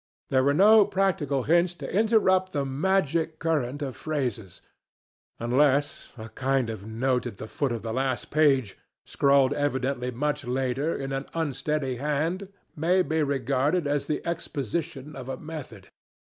There were no practical hints to interrupt the magic current of phrases, unless a kind of note at the foot of the last page, scrawled evidently much later, in an unsteady hand, may be regarded as the exposition of a method.